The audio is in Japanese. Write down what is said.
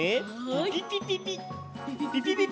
ピピピピピピピッ。